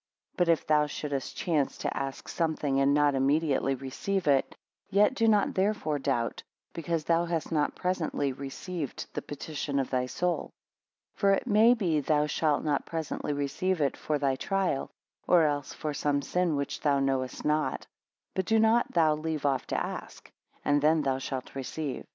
But if thou shouldest chance to ask something, and not immediately receive it, yet do not therefore doubt, because thou hast not presently received the petition of thy soul. 7 For it may be thou shalt not presently receive it for thy trial, or else for some sin which thou knowest not. But do not thou leave off to ask, and then thou shalt receive.